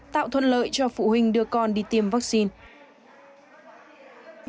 tạo thuận lợi cho phụ huynh đưa con đi tiêm vaccine